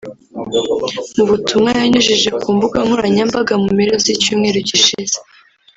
Mu butumwa yanyujije ku mbuga nkoranyambaga mu mpera z’icyumweru gishize